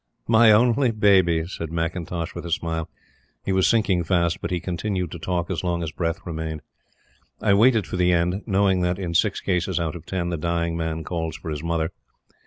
"My only baby!" said McIntosh with a smile. He was sinking fast, but he continued to talk as long as breath remained. I waited for the end: knowing that, in six cases out of ten the dying man calls for his mother.